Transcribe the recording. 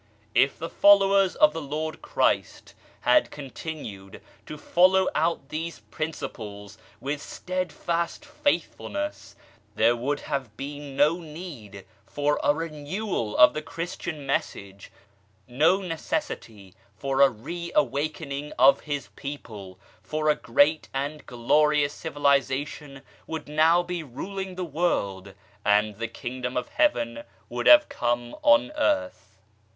If the followers of the Lord Christ had continued to follow out these principles with steadfast faithfulness, there would have been no need for a renewal of the Christian Message, no necessity for a re awakening of His people, for a great and glorious civilization would now be ruling the world and the Kingdom of Heaven would have come on earth.